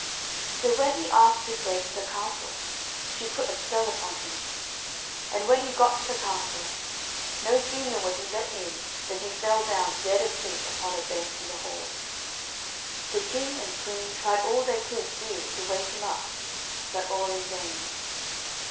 So when he asked his way to the castle she put a spell upon him, and when he got to the castle, no sooner was he let in than he fell down dead asleep upon a bench in the hall. The king and queen tried all they could do to wake him up, but all in vain.